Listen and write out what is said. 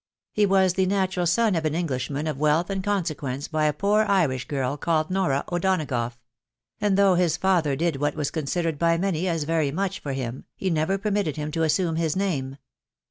He was the natural son of an Englishman of wealth and con sequence by a poor Irish girl called Nora O'Donagough ; and though his father did what was considered by many as verj much for him, he never permitted him to assume his name.